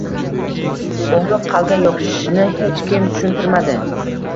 borib, qalbga yopishishini hech kim tushuntirmadi.